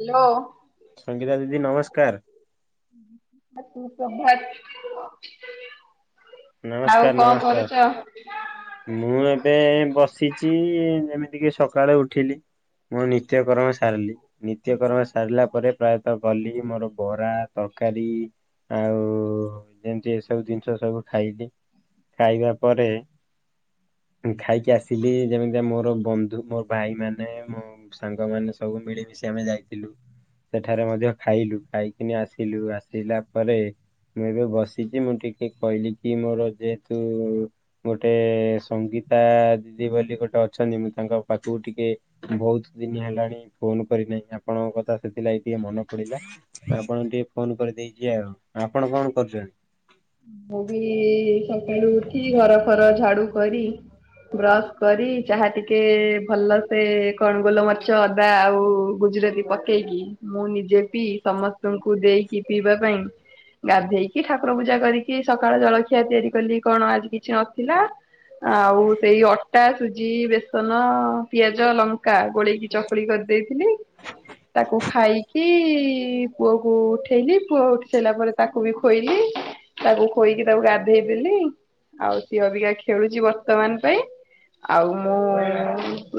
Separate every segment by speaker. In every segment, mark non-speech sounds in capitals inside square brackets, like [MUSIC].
Speaker 1: Hello
Speaker 2: Sangeeta ଦିଦି ନମସ୍କାର।
Speaker 1: [INAUDIBLE] ଆଉ
Speaker 2: ନମସ୍କାର
Speaker 1: କ'ଣ
Speaker 2: ନମସ୍କାର।
Speaker 1: କରୁଛ?
Speaker 2: ମୁଁ ଏବେ ବସିଛି ଯେମିତିକ ସକାଳେ ଉଠିଲି ମୁଁ ନିତ୍ୟ କରମ ସାରିଲି ନିତ୍ୟ କର୍ମ ସାରିଲା ପରେ। ପ୍ରାୟତଃ ଗଲି ମୋର ବରା ତରକାରୀ ଆଉ ଯେମିତି ଏ ସବୁ ଜିନିଷ ସବୁ ଖାଇଲି ଖାଇବା ପରେ। ଖାଇକି ଆସିବି ଯେମିତି ମୋର ବନ୍ଧୁ ମୋର ଭାଇ ମାନେ ମୁଁ ସାଙ୍ଗମାନୋନେ ସବୁ ମିଳିମିଶି ଆମେ ଯାଇଥିଲୁ। ସେଠାରେ ମଧ୍ୟ ଖାଇଲୁ ଖାଇକିନି ଆସିଲୁ ଆସିଲା ପରେ। ମୁଁ ଏବେ ବସିଛି ମୁଁ ଟିକେ କହିଲି କି ମୋର ଯେହେତୁ ଗୋଟେ ସଙ୍ଗୀତା ଦିଦି ବୋଲି ଗୋଟେ ଅଛନ୍ତି ମୁଁ ତାଙ୍କ ପାଖକୁ ଟିକେ ବହୁତ ଦିନି ହେଲାଣି ଫୋନ କରିନାହିଁ ଆପଣଙ୍କ କଥା ସେଥିଲାଗି ଟିକେ ମନେ ପଡିଲା ଆପଣଙ୍କୁ ଟିକେ ଫୋନ କରିଦେଇଛି ଆଉ ଆପଣ କ'ଣ କରୁଛନ୍ତି?
Speaker 1: ମୁଁ ବି ସକାଳୁ ଉଠି ଘର ଫର ଝାଡୁ କରି ବ୍ରସ୍ କରି ଚାହା ଟିକେ ଭଲ ସେେ କଣ ଗୋଲ ମାଛ ଅଦା ଆଉ ଗୁଜୁରାତି ପକେଇକି ମୁଁ ନିଜେ ପିଇ ସମସ୍ତଙ୍କୁ ଦେଇକି ପିଇବା ପାଇଁ? ଗାଧେଇକି ଠାକୁର ପୂଜା କରିକି ସକାଳ ଜଳଖିଆ ତିଆରି କଲି କ'ଣ ଆଜି କିଛି ନଥିଲା। ଆଉ ସେଇ ଅଟା ସୁଜି ବେସନ। ପିଆଜ ଲଙ୍କା ଗୋଳେଇକି ଚକୁଳି କରିଦେଇଥିଲି ତାକୁ ଖାଇକି ପୁଅ କ ଉଠେଇଲି ପୁଅ ଉଠି ସାରିଲା ପରେ ତାକୁ ବି ଖୋଇଲି? ତାକୁ ଖୋଇକି ତାକୁ ଗାଧେଇ ଦେେଲି ଆଉ ିଅ ବିିକା ଖେଳୁଛି ବର୍ତ୍ତମାନ ପାଇଁ ଆଉ ମୁଁ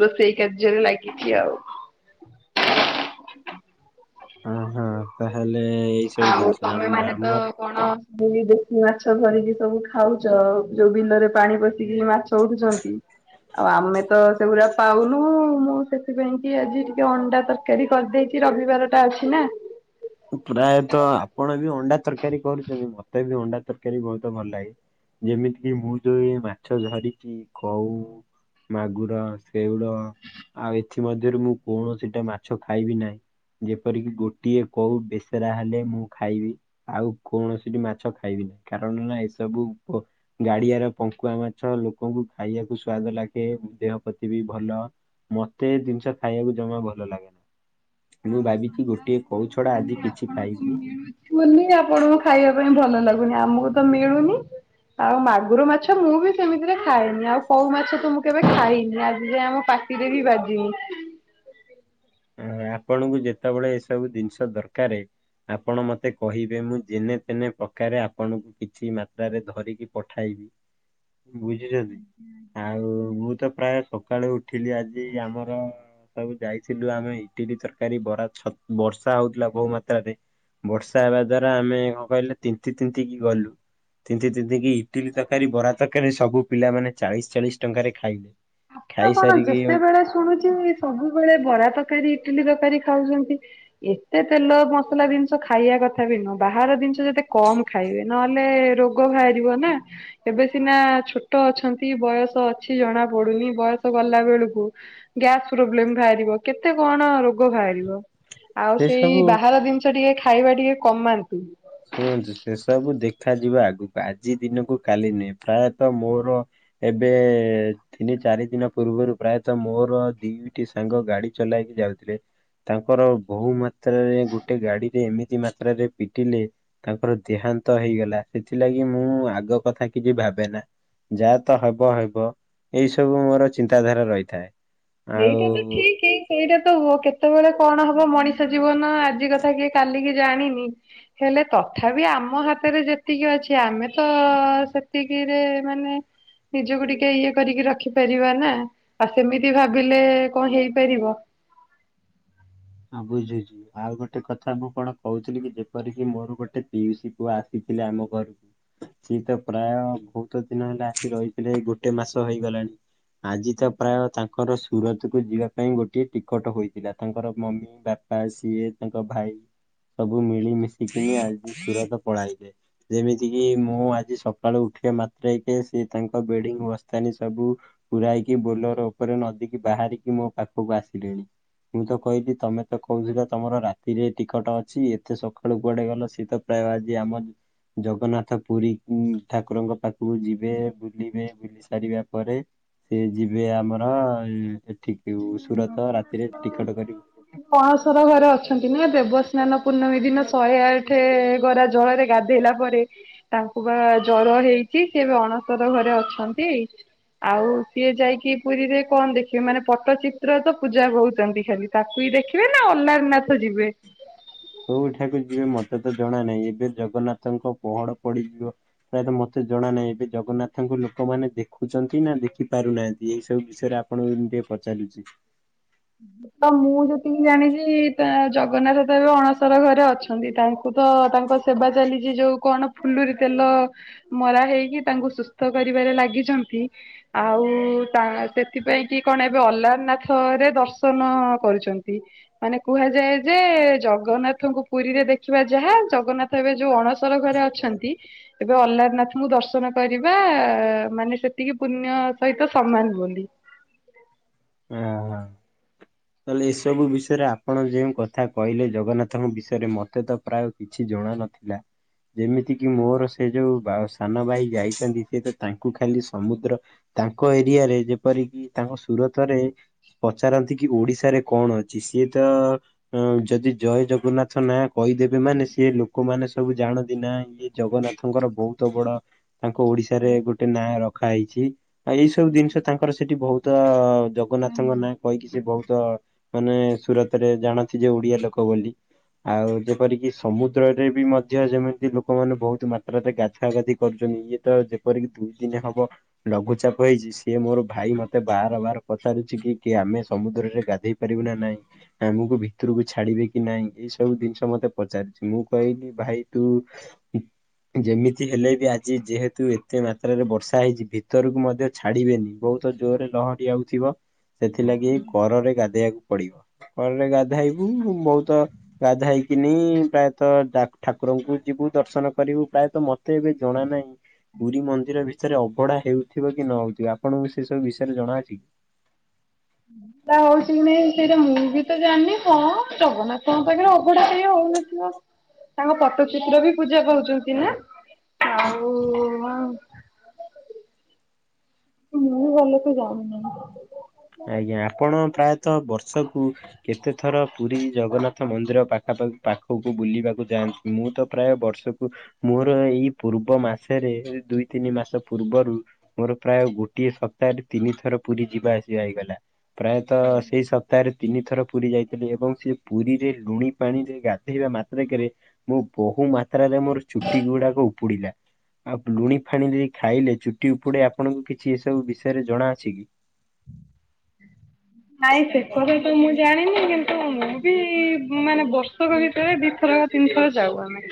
Speaker 1: ରୋଷେଇ କାର୍ଯ୍ୟରେ ଲାଗିଛି ଆଉ।
Speaker 2: ହ ହଁ ତାହେଲେ ଏଇ ସବୁ
Speaker 1: ଆଉ
Speaker 2: ଜିନିଷ
Speaker 1: ତମେ
Speaker 2: ଆମ
Speaker 1: ମାନେ ତ
Speaker 2: ଆମର
Speaker 1: କଣ ଦେଶୀ ମାଛ ଧରିକି ସବୁ ଖାଉଛ ଯୋଉ ବିଲରେ ପାଣି ପଶିକି ମାଛ ଉଠୁଛନ୍ତି। ଆଉ ଆମେ ତ ସେଗୁଡା ପାଉନୁ ମୁଁ ସେଥିପାଇଁ କି ଆଜି ଟିକେ ଅଣ୍ଡା ତରକାରୀ। କାରରି କରିଦେଇଛି ରବିବାର ଟା ଅଛି ନା।
Speaker 2: ପ୍ରାୟତଃ ଆପଣ ବି ଅଣ୍ଡା ତରକାରୀ କରୁଛନ୍ତି ମତେ ବି ଅଣ୍ଡା ତରକାରୀ ବହୁତ ଭଲ ଲାଗେ। ଯେମିତି କି ମୁଁ ଯୋଉ ମାଛ ଧରିକି କହୁ ମାଗୁର ଶେଉଳ ଆଉ ଏଥିମରେ ମୁଁ କୌଣସିଟା ମାଛ ଖାଇବି ନାହିଁ ଯେପରିକି ଗୋଟିଏ କୋଉ ବେସରା ହେଲେ ମୁଁ ଖାଇବି। ଆଉ କୌଣସି ବି ମାଛ ଖାଇବି ନାହିଁ କାରଣ ନା ଏସବୁ ଗାଡିଆର ପଙ୍କୁଆ ମାଛ ଲୋକଙ୍କୁ ଖାଇବାକୁ ସ୍ଵାଦ ଲାଗେ ଦେହ ପ୍ରତି ବି ଭଲ। ମତେଏ ଜିନିଷ ଖାଇବାକୁ ଜମା ଭଲ ଲାଗେ ନା ମୁଁ ଭାବିଛି ଗୋଟିଏ କୋଉ ଛଡା ଆଜି କିଛି ଖାଇବିନି।
Speaker 1: ନି ଆପଣଙ୍କୁ ଖାଇବା ପାଇଁ ଭଲ ଲାଗୁନି ଆମକୁ ତ ମିଳୁନି। ଆଉ ମାଗୁର ମାଛ ମୁଁ ବି ସେମିତିରେ ଖାଏନି ଆଉ କଉ ମାଛ ତ ମୁଁ କେବେ ଖାଇନି ଆଜି ଯ ଆମ ପାଖ। କିରେ ବି ବାଜି
Speaker 2: ହ ଆପଣଙ୍କୁ ଯେତେବେଳେ ଏସବୁ ଜିନିଷ ଦରକାର। ଆପଣ ମତେ କହିବେ ମୁଁ ଯେନେ ତେନେ ପ୍ରକାରେ ଆପଣଙ୍କୁ କିଛି ମାତ୍ରାରେ ଧରିକି ପଠାଇବି। ବୁଝିଛନ୍ତି ଆଉ ମୁଁ ତ ପ୍ରାୟ ସକାଳୁ ଉଠିଲି ଆଜି ଆମର ସବୁ ଯାଇଛି। ଥିଲୁ ଆମେ ଇଟିଲ ତରକାରୀ ବରାଛ ବର୍ଷା ହଉଥିଲା ବହୁ ମାତ୍ରାରେ ବର୍ଷା ହେବା ଦ୍ଵାରା ଆମେ କଣ କହିଲେ ତିତି ତିିତି କିି ଗଲୁ? ତିତିନ୍ତି କିି ଇଟିଲି ତରକାରୀ ବରା ତରକାରୀ ସବୁ ପିଲାମାନେ ଚାଳିଶ ଚାଳିଶ ଟଙ୍କାରେ ଖାଇଲେ।
Speaker 1: କଣ କଣ
Speaker 2: ଖାଇସାରିକି
Speaker 1: ଯେତେବେଳେ ଶୁଣୁଛି ସବୁବେଳେ ବରା ତରକାରୀ ଇଟିଲି ତରକାରୀ ଖାଉଛନ୍ତି? ଏତେ ତେଲ ମସଲା ଜିନିଷ ଖାଇବା କଥା ବି ନୁହଁ ବାହାର ଜିନିଷ ଯେତେ କମ ଖାଇବେ ନହେଲେ ରୋଗ ବାହାରିବ ନା ଏବେ ସିନା ଛୋଟ ଅଛନ୍ତି ବୟସ ଅଛି ଜଣା ପଡୁନି ବୟସ ଗଲା ବେଳକୁ ଗ୍ୟାସ ପ୍ରୋବ୍ଲେମ ବାହାରିବ କେତେ କଣ ରୋଗ ବାହାରିବ। ଆଉ
Speaker 2: ସେ
Speaker 1: ସେଇ
Speaker 2: ସବୁ
Speaker 1: ବାହାର ଜିନିଷ ଟିକେ ଖାଇବା ଟିକେ କମାନ୍ତୁ
Speaker 2: ଶୁଣନ୍ତୁ ସେ ସବୁ ଦେଖାଯିବ ଆଗକୁ ଆଜି ଦିନକୁ କାଲି ନୁହେଁ ପ୍ରାୟତଃ ମୋର ଏବେ ତିନି ଚାରି ଦିନ ପୂର୍ବରୁ ପ୍ରାୟତଃ ମୋର ଦିଇଟି ସାଙ୍ଗ ଗାଡି ଚଲେଇକି ଯାଉଥିଲେ। ତାଙ୍କର ବହୁ ମାତ୍ରାରେ ଗୋଟେ ଗାଡିରେ ଏମିତି ମାତ୍ରାରେ ପିଟିଲେ ତାଙ୍କର ଦେହାନ୍ତ ହେଇଗଲା ସେଥିଲାଗି ମୁଁ ଆଗ କଥା କିଛି ଭାବେନା ଯାହା ତ ହବ ହବ ଏଇ ସବୁ ମୋର ଚିନ୍ତାଧାରା ରହିଥାଏ
Speaker 1: ଏଇଟା ତ
Speaker 2: ଆଉ
Speaker 1: ଠିକ ସେଇଟା ତ ହୁଅ କେତେବେଳେ କଣ ହବ ମଣିଷ ଜୀବନ ଆଜି କଥା କିଏ କାଲିକି ଜାଣିନି ହେଲେ ତଥାପି ଆମ ହାତରେ ଯେତିକି ଅଛି ଆମେ ତ ସେତିକିରେ ମାନେ ନିଜକୁ ଟିକେ ଇଏ କରିକି ରଖିପାରିବା ନା ଆଉ ସେମିତି ଭାବ ଭାବିଲେ କଣ ହେଇପାରିବ
Speaker 2: ହଁ ବୁଝୁଛି ଆଉ ଗୋଟେ କଥା ମୁଁ କଣ କହୁଥିଲି କି ଯେପରିକି ମୋର ଗୋଟେ ପିଉସି ପୁଅ ଆସିଥିଲେ ଆମ ଘରକୁ ସିଏ ତ ପ୍ରାୟ ବହୁତ ଦିନ ହେଲା ଆସି ରହିଥିଲେ ଗୋଟେ ମାସ ହେଇଗଲାଣି ଆଜି ତ ପ୍ରାୟ ତାଙ୍କର ସୁରତକୁୁ ଯିବା ପାଇଁ ଗୋଟିଏ ଟିକଟ ହୋଇଥିଲା ତାଙ୍କର ମମି ବାପା ସିଏ ତାଙ୍କ ଭାଇ ସବୁ ମିଳିମିଶିକିନି ଆଜି ସୁର ତ ପଳାଇବେ ଯେମିତି କିି ମୁଁ ଆଜି ସକାଳୁ ଉଠିବା ମାତ୍ର ସେ ତାଙ୍କ ବେଡିଙ୍ଗି ବସ୍ତାନି ସବୁ ପୁରାଇକି ବୋଲର ଉପରେ ନଦୀକି ବାହାରିକି ମୋ ପାଖକୁ ଆସିଲିଣି ମୁଁ ତ କହିଲି ତମେ ତ କହୁଥିଲ ତମର ରାତିରେ ଟିକଟ ଅଛି ଏତେ ସକାଳୁ କୁଆଡ଼େ ଗଲ ସିଏ ତ ପ୍ରାୟ ଆଜି ଆମ ଜଗନ୍ନାଥ ପୁରୀ ଉ ଠାକୁରଙ୍କ ପାଖକୁ ଯିବେ ବୁଲିବେ ବୁଲି ସାରିବା ପରେ ସେ ଯିବେ ଆମର ଏଠିକ ସୁରତ ରାତିରେ ଟିକଟ କରିବୁ
Speaker 1: ଆଣସର ଘରେ ଅଛନ୍ତି ନା ଦେବସ୍ନାନ ପୂର୍ଣ୍ଣମୀ ଦିନ ଶହେ ଆଠ ଗରା ଜଳରେ ଗାଧ ଗାଧେଇଲା ପରେ ତାଙ୍କୁ ପା ଜର ହେଇଛି ସେ ଏବେ ଅଣସର ଘରେ ଅଛନ୍ତି ଆଉ ସିଏ ଯାଇକି ପୁରୀରେ କଣ ଦେଖିବେ ମାନେ ପଟ୍ଟଚିତ୍ର ତ ପୂଜା କହୁଛନ୍ତି ଖାଲି ତାକୁ ବିି ଦେଖିବେ ନା ଅ୍ଲାରନାଥ ଯିବେ
Speaker 2: କୋଉଠାକୁ ଯିବେ ମତେ ତ ଜଣା ନାହିଁ ଏବେ ଜଗନ୍ନାଥଙ୍କ ପହଡ ପଡିଯିବ ପ୍ରାୟତଃ ମତେ ଜଣା ନାହିଁ ଏବେ ଜଗନ୍ନାଥଙ୍କୁ ଲୋକମାନେ ଦେଖୁଛନ୍ତି ନା ଦେଖି ପାରୁନାହାନ୍ତି ଏଇ ସବୁ ବିଷୟରେ ଆପ ଆପଣଙ୍କୁ ଟିକେ ପଚାରୁଛି
Speaker 1: ତ ମୁଁ ଯେତିକି ଜାଣିଛି ତା ଜଗନ୍ନାଥ ଦେବ ଅଣସର ଘରେ ଅଛନ୍ତି ତାଙ୍କୁ ତ ତାଙ୍କ ସେବା ଚାଲିଛି ଯୋଉ କଣ ଫୁଲୁରି ତେଲ ମରା ହେଇକି ତାଙ୍କୁ ସୁସ୍ଥ କରିବାରେ ଲାଗିଛନ୍ତି। ଆଉ ତା ସେଥିପାଇଁ କି କଣ ଏବେ ଅଲାରନାଥରେ ଦର୍ଶ ନ କରିଛନ୍ତି। ମାନେ କୁହାଯାଏ ଯେ ଜଗନ୍ନାଥଙ୍କୁ ପୁରୀରେ ଦେଖିବା ଯାହା ଜଗନ୍ନାଥ ଏବେ ଯୋଉ ଅଣସର ଘରେ ଅଛନ୍ତି ଏବେ ଅଲରାନାଥଙ୍କୁ ଦର୍ଶନ କରିବା ମାନେ ସେତିକି ପୁଣ୍ୟ ସହିତ ସମାନ ବୋଲି।
Speaker 2: ଆଃ ହଁ। ତାହେଲେ ଏସବୁ ବିଷୟରେ ଆପଣ ଯେଉଁ କଥା କହିଲେ ଜଗନ୍ନାଥଙ୍କ ବିଷୟରେ ମତେ ତ ପ୍ରାୟ କିଛି ଜଣା ନଥିଲା। ଯେମିତି କିି ମୋର ସେ ଯୋଉ ସାନ ଭାଇ ଯାଇଛନ୍ତି, ସେ ତ ତାଙ୍କୁ ଖାଲି ସମୁଦ୍ର ତାଙ୍କ ଏରିଆରେ ଯେପରିକି ତାଙ୍କ ସୁରତ ରେ ପଚାରନ୍ତି କି ଓଡ଼ିଶାରେ କଣ ଅଛି? ସିଏ ତ ହଁ ଯଦି ଜୟ ଜଗନ୍ନାଥ ନା କହିଦେବେ ମାନେ ସିଏ ଲୋକମାନେ ସବୁ ଜାଣନ୍ତି ନା ଇଏ ଜଗନ୍ନାଥଙ୍କର ବହୁତ ବଡ଼ ତାଙ୍କ ଓଡ଼ିଶାରେ ଗୋଟେ ନାଁ ରଖା ହେଇଛି। ଆଉ ଏଇ ସବୁ ଜିନିଷ ତାଙ୍କର ସେଠି ବହୁତ ଜଗନ୍ନାଥଙ୍କ ନାଁ କହିକି ବହୁତ ମାନେ ସୁରତ ରେ ଜାଣନ୍ତି ଯେ ଓଡ଼ିଆ ଲୋକ ବୋଲି। ଆଉ ଯେପରିକି ସମୁଦ୍ରରେ ବି ମଧ୍ୟ ଯେମିତି ଲୋକମାନେ ବହୁତ ମାତ୍ରାରେ ଗାଧୁଆ ଗାଧି କରୁଛନ୍ତି ଇଏ ତ ଯେପରିକି ଦୁଇ ଦିନ ହବ ଲଘୁଚାପ ହେଇଛି। ସିଏ ମୋର ଭାଇ ମତେ ବାର ବାର ପଚାରୁଛି କି କି ଆମେ ସମୁଦ୍ରରେ ଗାଧେଇ ପାରିବୁ ନା ନାଇଁ? ଆମକୁ ଭିତରକୁ ଛାଡ଼ିବେ କି ନାଇଁ? ଏଇ ସବୁ ଜିନିଷ ମତେ ପଚାରିଛି। ମୁଁ କହିଲି ଭାଇ ତୁ ଯେମିତି ହେଲେ ବି ଆଜି ଯେହେତୁ ଏତେ ମାତ୍ରାରେ ବର୍ଷା ହେଇଛି ଭିତରକୁ ମଧ୍ୟ ଛାଡ଼ି ବେନି। ବହୁତ ଜୋରରେ ଲହଡ଼ି ଆଉଥିବ ସେଥିଲାଗି କରରେ ଗାଧେଇବା କୁ ପଡ଼ିବ। କଳରେ ଗାଧୋଇବୁ ବହୁତ ଗାଧା ହେଇକିନି ପ୍ରାୟତଃ ଠାକୁରଙ୍କୁ ଯିବୁ ଦର୍ଶନ କରିବୁ ପ୍ରାୟତଃ ମତେ ଏବେ ଜଣା ନାହିଁ। ପୁରୀ ମନ୍ଦିର ଭିତରେ ଅବଢ଼ା ହେଉଥିବ କି ନ ହଉଥିବ। ଆପଣଙ୍କୁ ସେ ସବୁ ବିଷୟରେ ଜଣାଅଛି କି?
Speaker 1: ଅବଢ଼ା ହଉଛି କି ନାଇଁ ସେଇଟା ମୁଁ ବି ତ ଜାଣିନି। ହଁ ଜଗନ୍ନାଥଙ୍କ ପାଖରେ ଅବଢା ସେଇ ହଉନ ତାଙ୍କ ପଟଚିତ୍ର ବି ପୂଜା ପାଉଛନ୍ତି ନା ଆଉ ମୁଁ ଭଲସେ ଜାଣିନି।
Speaker 2: ଆଜ୍ଞା ଆପଣ ପ୍ରାୟତଃ ବର୍ଷକୁ କେତେ ଥର ପୁରୀ ଜଗନ୍ନାଥ ମନ୍ଦିର ପାଖା ପାଖି ପାଖକୁ ବୁଲିବାକୁ ଯାଆନ୍ତି? ମୁଁ ତ ପ୍ରାୟ ବର୍ଷକୁ ମୋର ଏଇ ପୂର୍ବ ମାସରେ ଦୁଇ ତିନି ମାସ ପୂର୍ବରୁ ମୋର ପ୍ରାୟ ଗୋଟିଏ ସପ୍ତାହରେ ତିନି ଥର ପୁରୀ ଯିବା ଆସି ହେଇଗଲା ପ୍ରାୟତଃ ସେଇ ସପ୍ତାହରେ ତିନି ଥର ପୁରୀ ଯାଇଥିଲି ଏବଂ ସେ ପୁରୀରେ ଲୁଣି ପାଣିରେ ଗାଧୋଇବା ମାତ୍ରେକେ ରେ ମୁଁ ବୋହୁ ମାତ୍ରାରେ ମୋର ଚୁଟି ଗୁଡ଼ାକ ଉପୁଡିଲା। ଆଉ ଲୁଣି ଫାଣି ଯେ ଖାଇଲେ ଚୁଟି ଉପୁଡେ ଆପଣଙ୍କୁ କିଛି ଏସବୁ ବିଷୟରେ ଜଣା ଅଛି କି?
Speaker 1: ନାଇଁ ସେ କଥା ତ ମୁଁ ଜାଣିନି। କିନ୍ତୁ ମୁଁ ବି ମାନେ ବର୍ଷକ ଭିତରେ ଦୁଇଥର ତିନି ଥର ଯାଉ ଆମେ।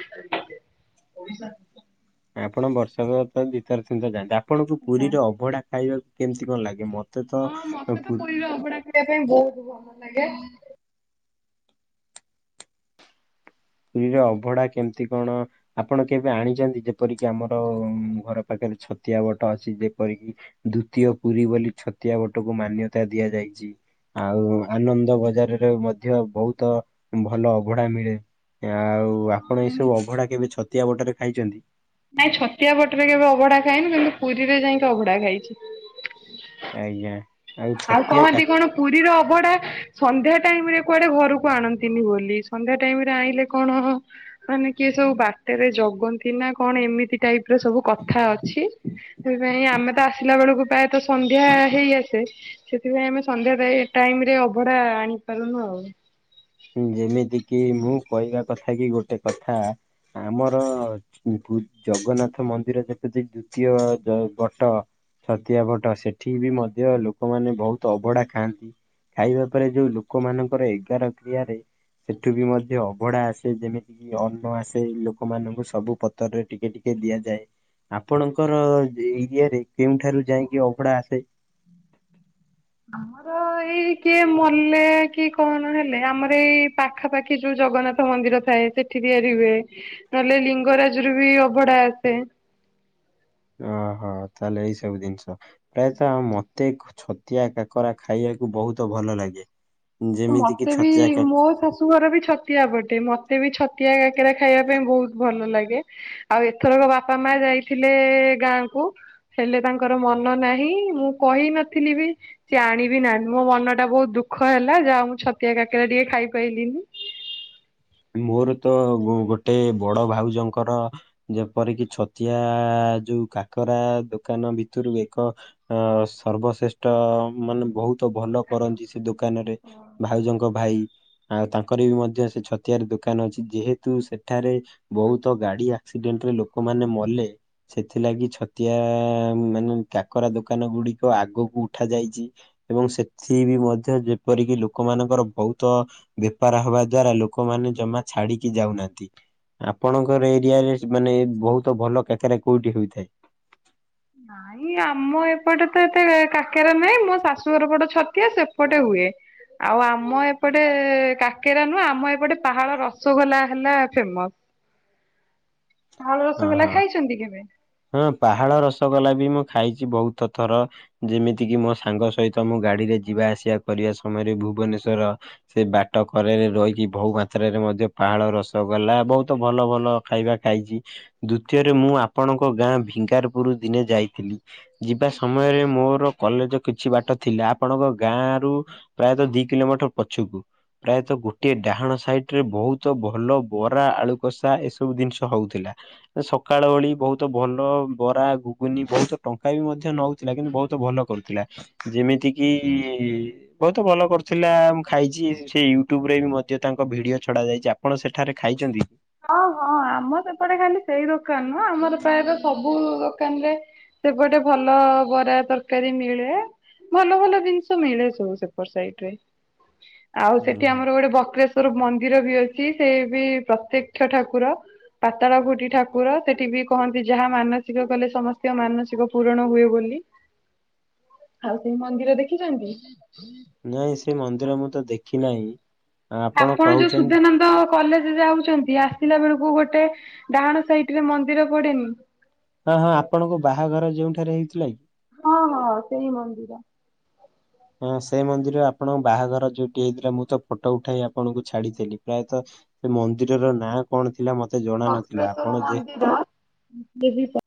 Speaker 2: ଆପଣ ବର୍ଷାକ ଦି ଥର ତିନି ଥର ଯାଆନ୍ତି। ଆପଣଙ୍କୁ ପୁରୀରେ ଅବଢ଼ା ଖାଇବାକୁ କେମିତି କଣ ଲାଗେ? ମତେ ତ
Speaker 1: ହଁ ମତେ ତ ପୁରୀର [UNINTELLIGIBLE] ପାଇଁ ବହୁତ ଭଲ ଲାଗେ।
Speaker 2: ପୁରୀର ଅବଢ଼ା କେମିତି କଣ ଆପଣ କେବେ ଆଣିଛନ୍ତି? ଯେପରିକି ଆମର ଘର ପାଖରେ ଛତିଆ ବଟ ଅଛି। ଯେପରିକି ଦ୍ଵିତୀୟ ପୁରୀ ବୋଲି ଛତିଆ ବଟକୁ ମାନ୍ୟତା ଦିଆଯାଇଛି। ଆଉ ଆନନ୍ଦ ବଜାରରେ ମଧ୍ୟ ବହୁତ ଭଲ ଅବଢ଼ା ମିଳେ। ଆଉ ଆପଣ ଏଇ ସବୁ ଅବଢ଼ା କେବେ ଛତିଆ ବଟରେ ଖାଇଛନ୍ତି?
Speaker 1: ନାଇଁ ଛତିଆ ବଟ ରେ କେବେ ଅବଢ଼ା ଖାଇନି, କିନ୍ତୁ ପୁରୀରେ ଯାଇକି ଅବଢ଼ା ଖାଇଛି।
Speaker 2: ଆଜ୍ଞା।
Speaker 1: ଆଉ
Speaker 2: ଛତିଆ କା
Speaker 1: କହନ୍ତି କଣ ପୁରୀର ଅଭଢା ସନ୍ଧ୍ୟା ଟାଇମ ରେ କୁଆଡେ ଘରକୁ ଆଣନ୍ତିନି ବୋଲି ସନ୍ଧ୍ୟା ଟାଇମ ରେ ଆଣିଲେ କଣ। ମାନେ କିଏ ସବୁ ବାଟରେ ଜଗନ୍ତି ନା କଣ ଏମିତି। ଟାଇପ ର ସବୁ କଥା ଅଛି ସେଥିପାଇଁ ଆମେ ତ ଆସିଲା ବେଳକୁ ପ୍ରାୟତ ସନ୍ଧ୍ୟା ହେଇ ଆସେ। ସେଥିପାଇଁ ଆମେ ସନ୍ଧ୍ୟା ଟାଇମରେ ଅଭଡା ଆଣିପାରୁନୁ ଆଉ।
Speaker 2: ଯେମିତି କିି ମୁଁ କହିବା କଥା କି ଗୋଟେ କଥା ଆମର ଜଗନ୍ନାଥ ମନ୍ଦିର ଯେପତି ଦ୍ଵିତୀୟ ବଟ। ଛତିଆପଟ ସେଠିକି ବି ମଧ୍ୟ ଲୋକମାନେ ବହୁତ ଅବଢ଼ା ଖାଆନ୍ତି। ଖାଇବା ପରେ ଯୋଉ ଲୋକମାନଙ୍କର ଏଗାର କ୍ରିୟାରେ ସେଠୁ ବି ମଧ୍ୟ ଅବଢା ଆସେ ଯେମିତି ଅନ୍ନ ଆସେ ଲୋକମାନଙ୍କୁ ସବୁ ପତରରେ ଟିକେ ଟିକେ ଦିଆଯାଏ। ଆପଣଙ୍କର ଏରିଆରେ କେଉଁଠାରୁ ଯାଇକି ଅଭଡା ଆସେ।
Speaker 1: ଆମର ତ ଏଇ କିଏ ମଲେ କି କଣ ହେଲେ ଆମର ଏଇ ପାଖାପାଖି ଯୋଉ ଜଗନ୍ନାଥ ମନ୍ଦିର ଥାଏ। ସେଠି ତିଆରି ହୁଏ ନହେଲେ ଲିଙ୍ଗରାଜରୁ ବି ଅବଢା ଆସେ।
Speaker 2: ଓ ହୋ ତାହେଲେ ଏଇ ସବୁ ଜିନିଷ ପ୍ରାୟତଃ ଆମ ମ ମତେ ଛତିଆ କାକରା ଖାଇବାକୁ ବହୁତ ଭଲ ଲାଗେ। ଯେମିତି କିି
Speaker 1: ମତେ ବି
Speaker 2: ଛତିଆ କା
Speaker 1: ମୋ ଶାଶୁ ଶାଶୁଘର ବି ଛତିଆ ପଟେ, ମତେ ବି ଛତିଆ କାକେରା ଖାଇବା ପାଇଁ ବହୁତ ଭଲ ଲାଗେ। ଆଉ ଏଥରକ ବାପା ମା ଯାଇଥିଲେ ଗାଁ କୁ। ହେଲେ ତାଙ୍କର ମନ ନାହିଁ ମୁଁ କହି ନଥିଲି ବି। ସିଏ ଆଣିବି ନାହାନ୍ତି ମୋ ମନ ଟା ବହୁତ ଦୁଃଖ ହେଲା ଯାହାହଉ ମୁଁ ଛତିଆ କାକେରା ଟିକେ ଖାଇପାଇଲିିନି।
Speaker 2: ମୋର ତ ଗୋ ଗୋଟେ ବଡ ଭାଉଜଙ୍କର ଯେପରିକି ଛତିଆ ଯୋଉ କାକରା ଦୋକାନ ଭିତରୁ ଏକ ଅ ସର୍ବଶ୍ରେଷ୍ଠ ମାନେ ବହୁତ ତ ଭଲ କରନ୍ତି ସେ ଦୋକାନରେ ଭାଉଜଙ୍କ ଭାଇ ଆଉ ତାଙ୍କର ବି ମଧ୍ୟ ସେ ଛ ତିଆରି ଦୋକାନ ଅଛି ଯେହେତୁ ସେଠାରେ ବହୁତ ଗାଡି ଆକ୍ସିଡେଣ୍ଟରେ ଲୋକମାନେ ମଲେ। ସେଥିଲାଗି ଛତିଆ ମାନେ କାକରା ଦୋକାନ ଗୁଡିକ ଆଗକୁ ଉଠା ଯାଇଚି। ଏବଂ ସେଥି ବି ମଧ୍ୟ ଯେପରିକି ଲୋକମାନଙ୍କର ବହୁତ ବେପାର ହବା ଦ୍ଵାରା ଲୋ ଲୋକମାନେ ଜମା ଛାଡିକି ଯାଉନାହାନ୍ତି। ଆପଣଙ୍କର ଏରିଆ ରେ ମାନେ ବହୁତ ଭଲ କାକେରା କୋଉଠି ହୋଇଥାଏ?
Speaker 1: ନାଇଁ ଆମ ଏପଟେ ତ ଏତେ କାକେରା ନାହିଁ ମୋ ଶାଶୁଘର ପଟ ଛତିଆ ସେପଟେ ହୁଏ। ଆଉ ଆମ ଏପଟେ କାକେରା ନୁହଁ ଆମ ଏପଟେ ପାହାଳ ରସଗୋଲା ହେଲା ଫେମସ୍। ପାହାଳ ରସଗୋଲା
Speaker 2: ହଁ।
Speaker 1: ଖାଇଛନ୍ତି କେବେ?
Speaker 2: ହଁ ପାହାଳ ରସଗୋଲା ବି ମୁଁ ଖାଇଚି ବହୁତ ଥର। ଯେମିତିକିି ମୋ ସାଙ୍ଗ ସହିତ ମୁଁ ଗାଡିରେ ଯିବା ଆସିବା କରିଆ ସମୟରେ ଭୁବନେଶ୍ଵର। ସେ ବାଟ କରେରେ ରହିକି ବହୁ ମାତ୍ରାରେ ମଧ୍ୟ ପାହାଳ ରସଗୋଲା ବହୁତ ଭଲ ଭଲ ଖାଇବା ଖାଇଚି। ଦୁତୀୟରେ ମୁଁ ଆପଣଙ୍କ ଗାଁ ଭିଙ୍ଗାର ପୁରୁ ଦିନେ ଯାଇଥିଲି, ଯିବା ସମୟରେ ମୋର କଲେଜ କିଛି ବାଟ ଥିଲା ଆପଣଙ୍କ ଗାଁରୁ ପ୍ରାୟତଃ ଦି କିଲୋମିଟର ପଛକୁ। ପ୍ରାୟତଃ ଗୋଟିଏ ଡାହାଣ ସାଇଟରେ ବହୁତ ଭଲ ବରା ଆଳୁ କଷା ଏସବୁ ଜିନିଷ ହଉଥିଲା। ସକାଳ ଓଳି ବହୁତ ଭଲ ବରା ଘୁଗୁନି ବହୁତ ଟଙ୍କା ବି ମଧ୍ୟ ନଉ ଥିଲା କିନ୍ତୁ ବହୁତ ଭଲ କରୁଥିଲା, ଯେମିତିକିି ବହୁତ ଭଲ କରୁଥିଲା ମୁଁ ଖାଇଚି, ସେ ୟୁଟ୍ୟୁବରେ ବି ମଧ୍ୟ ତାଙ୍କ ଭିଡିଓ ଛଡା ଯାଇଚି ଆ ଆପଣ ସେଠାରେ ଖାଇଚନ୍ତି?
Speaker 1: ହଁ ହଁ ଆମ ସେପଟେ ଖାଲି ସେଇ ଦୋକାନ ନୁହଁ, ଆମର ପ୍ରାୟତଃ ସବୁ ଦୋକାନରେ ସେପଟେ ଭଲ ବରା ତରକାରୀ ମିଳେ। ଭଲ ଭଲ ଜିନିଷ ମିଳେ ସବୁ ସେପର ସାଇଟ୍ ରେ।
Speaker 2: [INAUDIBLE]
Speaker 1: ଆଉ ସେଇଠି
Speaker 2: ହୁଁ।
Speaker 1: ଆମର ଗୋଟେ ବକ୍ରେଶ୍ଵର ମନ୍ଦିର ବି ଅଛି। ସେ ବି ପ୍ରତ୍ୟକ୍ଷ ଠାକୁର। ପାତାଳ ଫୁଟି ଠାକୁର। ସେଇଠି ବି କହନ୍ତି ଯାହା ମାନସିକ କଲେ ସମସ୍ତିଙ୍କ ମାନସିକ ପୂରଣ ହୁଏ ବୋଲି।
Speaker 2: [INAUDIBLE]
Speaker 1: ଆଉ ସେଇ ମନ୍ଦିର ଦେଖିଚନ୍ତି?
Speaker 2: ନାଇଁ ସେ ମନ୍ଦିର ମୁଁ ତ ଦେଖିନାହିଁ।
Speaker 1: ଆପଣ ଯୋଉ ସୁଧାନନ୍ଦ କଲେଜ ଯାଉଚନ୍ତି ଆସିଲା ବେଳୁକୁ ଗୋଟେ ଡାହାଣ ସାଇଟରେ ମନ୍ଦିର ପଡେନି?
Speaker 2: ହଁ ହଁ ଆପଣଙ୍କ ବାହାଘର ଯେଉଁଠାରେ ହେଇଥିଲା କି?
Speaker 1: ହଁ ହଁ ସେଇ ମନ୍ଦିର।
Speaker 2: ହଁ ସେ ମନ୍ଦିର ଆପଣଙ୍କ ବାହାଘର ଯୋଉଠି ହେଇଥିଲା ମୁଁ ତ ଫଟୋ ଉଠାଇ ଆ ଆପଣଙ୍କୁ ଛାଡିଥେଲି। ପ୍ରାୟତଃ ସେ ମନ୍ଦିରର ନାଁ କଣ ଥିଲା ମ
Speaker 1: ବକ୍ରେଶ୍ଵର ମନ୍ଦିର ଉଁ ବିଭିଶ।